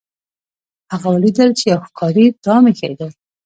هغه ولیدل چې یو ښکاري دام ایښی دی.